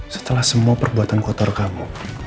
setelah semua perbuatan kotor kamu